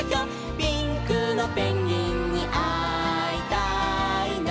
「ピンクのペンギンにあいたいな」